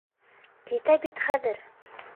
Китә бит хәҙер!